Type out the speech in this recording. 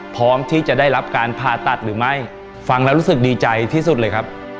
พร้อมที่จะได้รับการผ่าตัดหรือไม่ฟังแล้วรู้สึกดีใจที่สุดเลยครับ